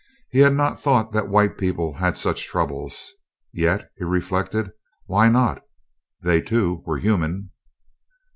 He had not thought that white people had such troubles; yet, he reflected, why not? They, too, were human.